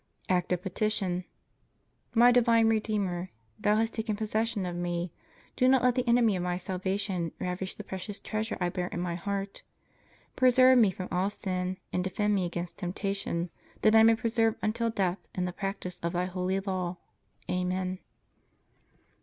Act of Petition. My divine Redeemer, Thou hast taken possession of me. Do not let the enemy of my salvation ravish the precious treasure I bear in my heart. Preserve me from all sin, and defend me against temptation, that I may persevere until death in the practice of Thy holy law. Amen.